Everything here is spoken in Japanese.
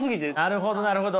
なるほどなるほど。